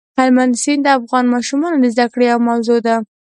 هلمند سیند د افغان ماشومانو د زده کړې یوه موضوع ده.